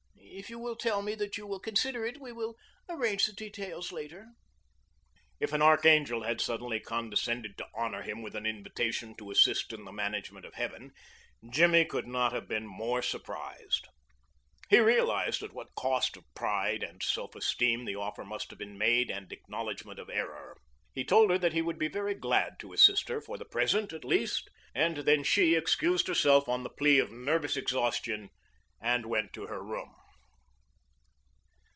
If you will tell me that you will consider it we will arrange the details later." If an archangel had suddenly condescended to honor him with an invitation to assist in the management of Heaven Jimmy could not have been more surprised. He realized at what cost of pride and self esteem the offer must have been made and acknowledgment of error. He told her that he would be very glad to assist her for the present, at least, and then she excused herself on the plea of nervous exhaustion and went to her room.